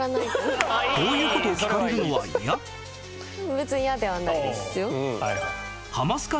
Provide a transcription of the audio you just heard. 別に嫌ではないですよ。